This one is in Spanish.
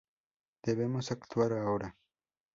Debemos actuar ahora.